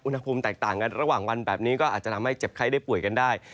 อุณหภูมิแตกต่างกันระหว่างวันแบบนี้ก็อาจจะทำให้เจ็บไข้ได้ป่วยกันได้